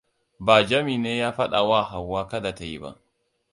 Ba Jami ne ya fadawa Hauwa kada ta yi ba.